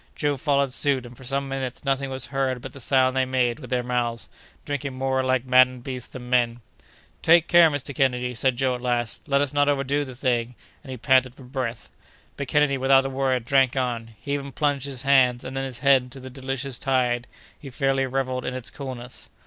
Joe followed suit, and for some minutes nothing was heard but the sound they made with their mouths, drinking more like maddened beasts than men. "Take care, Mr. Kennedy," said Joe at last; "let us not overdo the thing!" and he panted for breath. But Kennedy, without a word, drank on. He even plunged his hands, and then his head, into the delicious tide—he fairly revelled in its coolness.